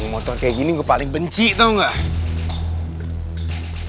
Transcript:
geng motor kayak gini gue paling benci tau gak